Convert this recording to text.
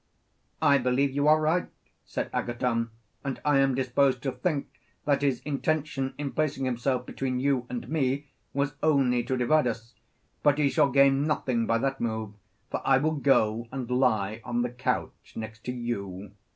I believe you are right, said Agathon, and I am disposed to think that his intention in placing himself between you and me was only to divide us; but he shall gain nothing by that move; for I will go and lie on the couch next to you.